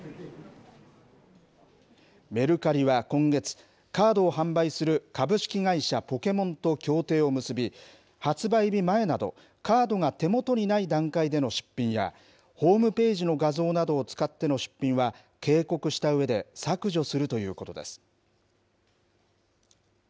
メルカリは今月、カードを販売する株式会社ポケモンと協定を結び、発売日前など、カードが手元にない段階での出品や、ホームページの画像などを使っての出品は警告したうえで削除するということです。